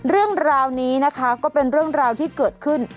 เรื่องราวนี้นะคะก็เป็นเรื่องราวที่เกิดขึ้น